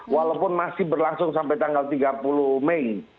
walaupun masih berlangsung sampai tanggal tiga puluh mei